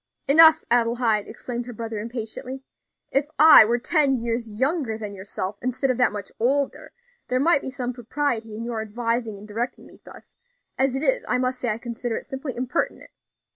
"Enough, Adelaide!" exclaimed her brother, impatiently. "If I were ten years younger than yourself, instead of that much older, there might be some propriety in your advising and directing me thus; as it is, I must say I consider it simply impertinent."